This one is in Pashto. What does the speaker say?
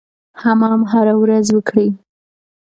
حمام هره ورځ وکړئ.